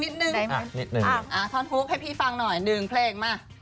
มุกให้พี่ฟังหน่อยดึงเพลงมา